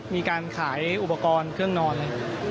มีการขายอุปกรณ์เครื่องนอน